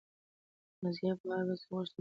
نازيې به هره ورځ غوښتل چې زه ورسره ملګرې شم.